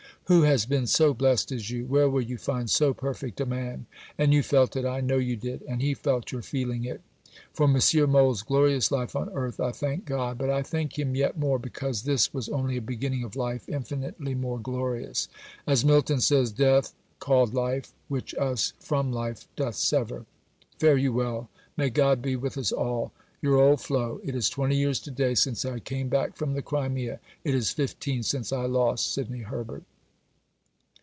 Who has been so blest as you? Where will you find so perfect a man? And you felt it, I know you did. And he felt your feeling it.... For M. Mohl's glorious life on earth I thank God: but I thank Him yet more, because this was only a beginning of life infinitely more glorious as Milton says: "death, called life, which us from life doth sever." Fare you well. May God be with us all. Your old Flo. It is 20 years to day since I came back from the Crimea. It is 15 since I lost Sidney Herbert.